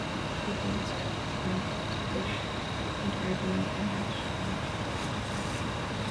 A dense cloud covered the entire planet in a shroud of darkness and fear.